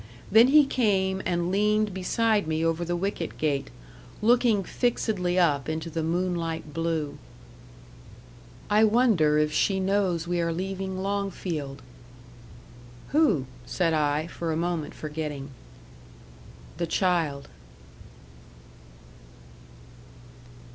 Then he came and leaned beside me over the wicket gate, looking fixedly up into the moon light blue. "I wonder if she knows we are leaving Longfield?" "Who?" said I; for a moment forgetting. "The child."